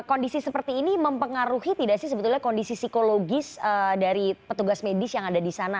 kondisi seperti ini mempengaruhi tidak sih sebetulnya kondisi psikologis dari petugas medis yang ada di sana